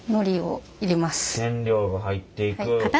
染料が入っていく。